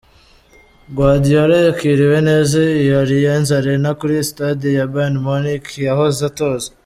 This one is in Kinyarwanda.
Guardiola yakiriwe neza i Arianz Arena kuri sitade ya Bayern Munchen yahoze atoza.